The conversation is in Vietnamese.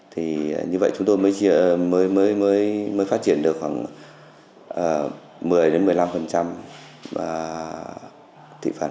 thì như vậy chúng tôi mới phát triển được khoảng một mươi một mươi năm tỷ phần